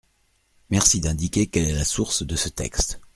Merci d’indiquer quelle est la source de ce texte .